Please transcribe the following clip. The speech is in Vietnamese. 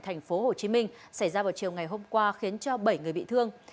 tp hcm xảy ra vào chiều ngày hôm qua khiến cho bảy người bị thương